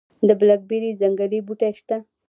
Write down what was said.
د بلک بیري ځنګلي بوټي شته؟